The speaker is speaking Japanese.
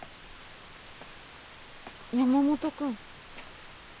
山本君。